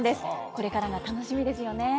これからが楽しみですよね。